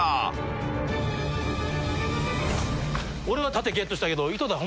俺は盾ゲットしたけど井戸田